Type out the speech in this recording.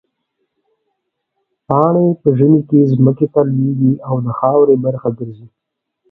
پاڼې په ژمي کې ځمکې ته لوېږي او د خاورې برخه ګرځي.